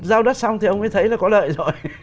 giao đất xong thì ông ấy thấy là có lợi rồi